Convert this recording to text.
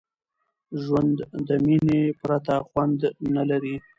ژوند د میني پرته خوند نه لري.